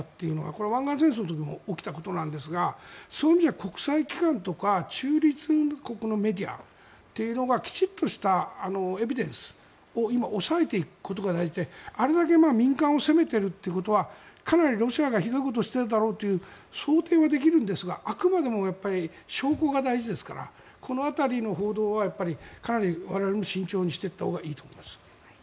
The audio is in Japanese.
これは湾岸戦争の時も起きたことなんですがそういう意味では国際機関とか中立国のメディアというのがきちんとしたエビデンスを今、押さえていくことが大事であれだけ民間を攻めているということはかなりロシアがひどいことをしているだろうという想定はできるんですがあくまでも証拠が大事ですからこの辺りの報道はかなり我々も慎重にしていったほうがいいと思います。